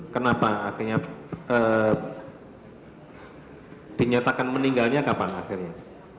kenapa akhirnya dinyatakan meninggalnya kapan akhirnya